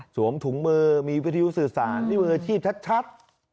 ถุงมือมีวิทยุสื่อสารมีมืออาชีพชัด